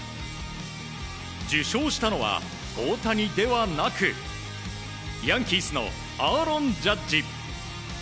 受賞したのは、大谷ではなくヤンキースのアーロン・ジャッジ。